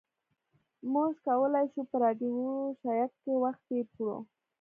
موږ کولی شو په راډیو شیک کې وخت تیر کړو